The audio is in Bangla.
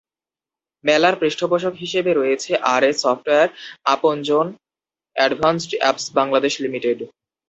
মেলার পৃষ্ঠপোষক হিসেবে রয়েছে RS software, Aponjon, advanced apps Bangladesh limited.